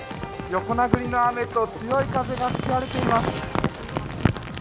横殴りの雨と強い風が吹き荒れています。